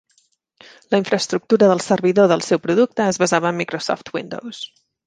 La infraestructura del servidor del seu producte es basava en Microsoft Windows.